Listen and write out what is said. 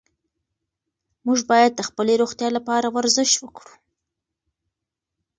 موږ باید د خپلې روغتیا لپاره ورزش وکړو.